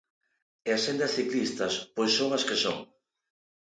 E as sendas ciclistas pois son as que son.